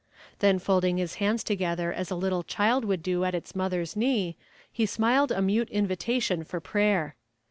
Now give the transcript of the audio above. Then folding his hands together as a little child would do at its mother's knee, he smiled a mute invitation for prayer.